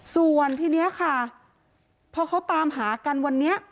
ส่วนทีนี้ค่ะพอเขาตามหากันวันนี้